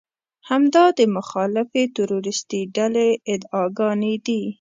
همدا د مخالفې تروريستي ډلې ادعاګانې دي.